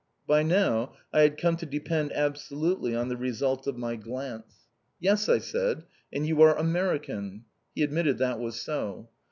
By now, I had come to depend absolutely on the result of my glance. "Yes!" I said, "and you are American." He admitted that was so.